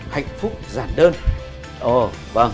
hạnh phúc giản đơn